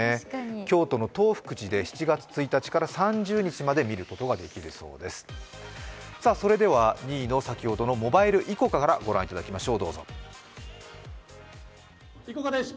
京都の東福寺で７月１日から３０日まで見ることができるそうです、それでは２位のモバイルＩＣＯＣＡからごらんいただきましょう。